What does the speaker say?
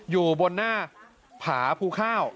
อยู่บนหน้าผาภูข้าว